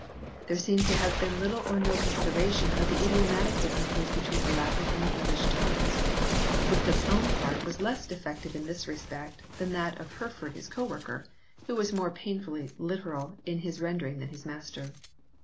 There seems to have been little or no consideration of the idiomatic differences between the Latin and the English tongues. Wycliffe s own part was less defective in this respect than that of Hereford his co worker, who was more painfully literal in his rendering than his master.